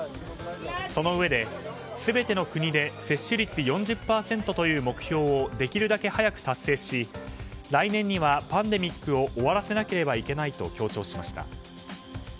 そのうえで、全ての国で接種率４０％という目標をできるだけ早く達成し来年にはパンデミックを終わらせなければいけないと強調しました。